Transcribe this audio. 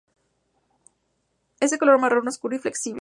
Es de color marrón oscuro y flexible.